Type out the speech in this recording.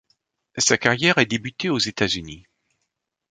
Sa carrière a débuté aux États-Unis.